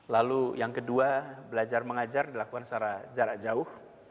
lalu yang kedua belajar mengajar dilakukan secara jarak jauh